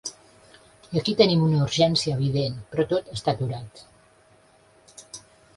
I aquí tenim una urgència evident, però tot està aturat.